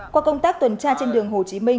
qua công tác tuần tra trên đường hồ chí minh